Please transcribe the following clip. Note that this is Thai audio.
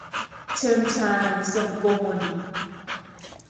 เชิงชาย ทรงโกมล